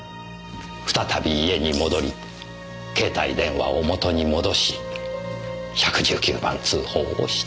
再び家に戻り携帯電話を元に戻し１１９番通報をした。